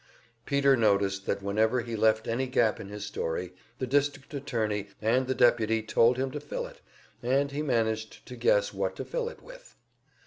Peter noticed that whenever he left any gap in his story, the district attorney and the deputy told him to fill it, and he managed to guess what to fill it with.